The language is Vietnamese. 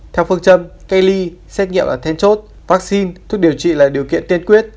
theo phương châm cây ly xét nghiệm là thêm chốt vaccine thuốc điều trị là điều kiện tiên quyết